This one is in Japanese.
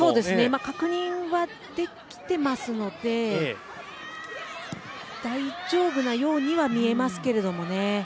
確認はできてますので大丈夫なようには見えますけれどもね。